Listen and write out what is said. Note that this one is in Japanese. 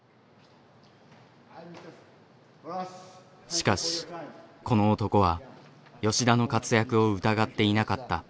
しかしこの男は吉田の活躍を疑っていなかった。